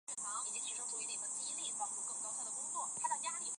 部份消费者反应手机使用一年后萤幕触控容易有故障的情况。